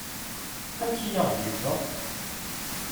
Amek i aɣ-d-yufa?